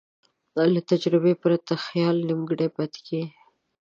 له تجربې پرته خیال نیمګړی پاتې کېږي.